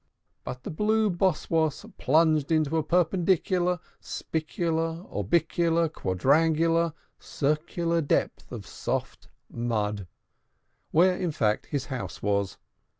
But the Blue Boss Woss plunged into a perpendicular, spicular, orbicular, quadrangular, circular depth of soft mud; where, in fact, his house was.